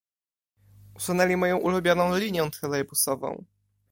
Usunęli moją ulubioną linię trolejbusową.